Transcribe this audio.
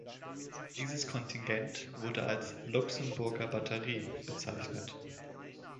Dieses Kontingent wurde als "Luxemburger Batterie" bezeichnet.